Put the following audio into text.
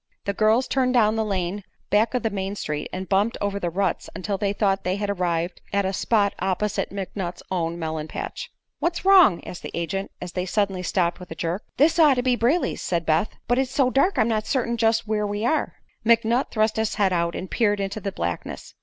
The girls turned down the lane back of the main street and bumped over the ruts until they thought they had arrived at a spot opposite McNutt's own melon patch. "What's wrong?" asked the agent, as they suddenly stopped with a jerk. "This ought to be Brayley's," said Beth; "but it's so dark I'm not certain just where we are." McNutt thrust his head out and peered into the blackness.